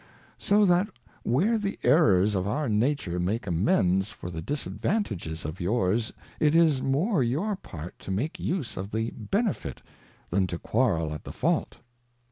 So that where the Errors of our Nature make amends for the Disadvantages of yours it is more your part to make use of the Benefit, than to quarrel at the Fault.